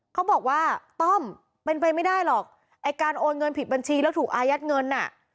เขาบอกว่าต้อมเป็นไปไม่ได้หรอกไอ้การโอนเงินผิดบัญชีแล้วถูกอายัดเงินอ่ะ